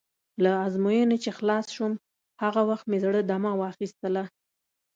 له ازموینې چې خلاص شوم، هغه وخت مې زړه دمه واخیستله.